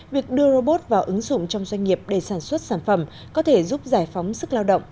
việc đưa robot vào ứng dụng trong doanh nghiệp để sản xuất sản phẩm có thể giúp giải phóng sức lao động